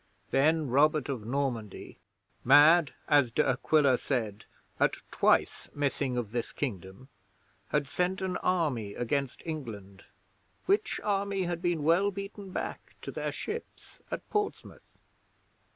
Then Robert of Normandy, mad, as De Aquila said, at twice missing of this kingdom, had sent an army against England, which army had been well beaten back to their ships at Portsmouth.